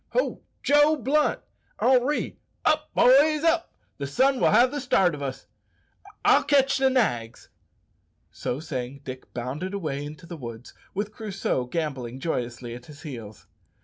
"Ho! Joe Blunt! Henri! Up, boys, up! The sun will have the start o' us. I'll catch the nags." So saying Dick bounded away into the woods, with Crusoe gambolling joyously at his heels.